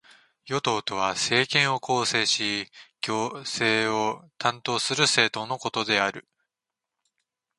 与党とは、政権を構成し行政を担当する政党のことである。